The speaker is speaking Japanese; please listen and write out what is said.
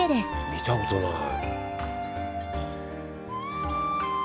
見たことない。